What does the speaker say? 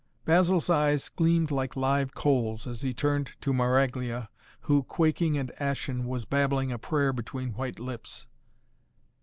Basil's eyes gleamed like live coals as he turned to Maraglia, who, quaking and ashen, was babbling a prayer between white lips.